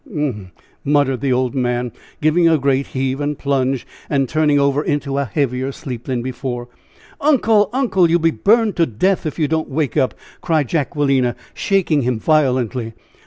muttered the old man, giving a great heave and plunge, and turning over into a heavier sleep than before. "Uncle! uncle! You will be burned to death if you don't wake up!" cried Jacquelina, shaking him violently.